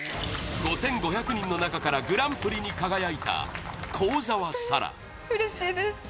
５５００人の中からグランプリに輝いた幸澤沙良幸澤：うれしいです。